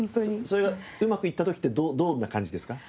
それがうまくいった時ってどんな感じですか？